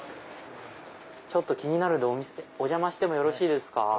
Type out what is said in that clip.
ちょっと気になるんでお邪魔してもよろしいですか？